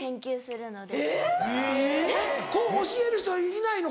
教える人はいないの？